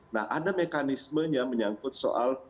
nah ada mekanismenya menyangkut soal